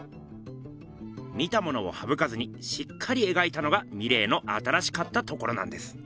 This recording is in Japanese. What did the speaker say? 見たものをはぶかずにしっかり描いたのがミレーの新しかったところなんです。